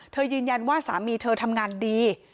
ยืนยันว่าสามีเธอทำงานดี